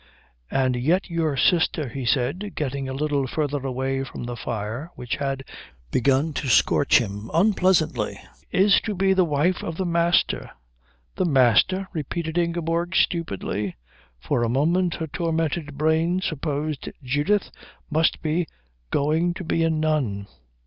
"And yet your sister," he said, getting a little further away from the fire which had begun to scorch him unpleasantly, "is to be the wife of the Master." "The Master?" repeated Ingeborg, stupidly. For a moment her tormented brain supposed Judith must be going to be a nun.